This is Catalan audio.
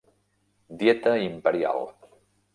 Dieta Imperial